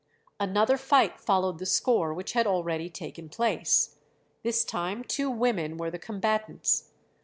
Another fight followed the score which had already taken place; this time two women were the combatants.